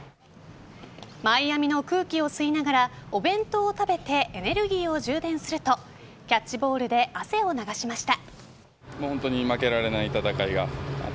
マイアミの空気を吸いながらお弁当を食べてエネルギーを充電するとキャッチボールで汗を流しました。